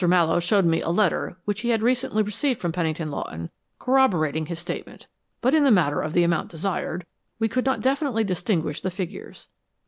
Mallowe showed me a letter which he had recently received from Pennington Lawton corroborating his statement. But in the matter of the amount desired we could not definitely distinguish the figures.